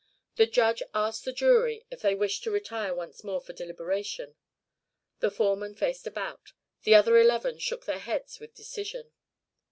The Judge asked the jury if they wished to retire once more for deliberation. The foreman faced about. The other eleven shook their heads with decision.